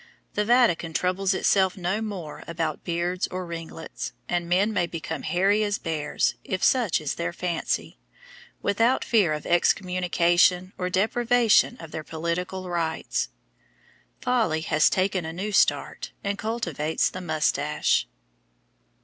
The Vatican troubles itself no more about beards or ringlets, and men may become hairy as bears, if such is their fancy, without fear of excommunication or deprivation of their political rights. Folly has taken a new start, and cultivates the moustache.